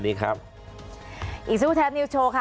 อีกซักครู่แท็บนิวโชว์ค่ะ